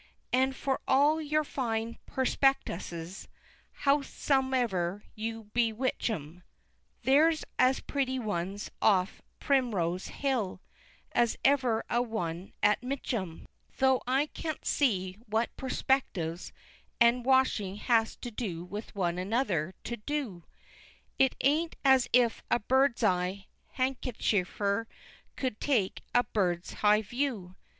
And for All your fine Perspectuses, howsomever you bewhich 'em, Theirs as Pretty ones off Primerows Hill, as ever a one at Mitchum, Tho' I cant sea What Prospectives and washing has with one another to Do It aint as if a Bird'seye Hankicher could take a Birds high view!